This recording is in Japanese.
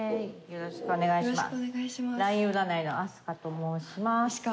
よろしくお願いします。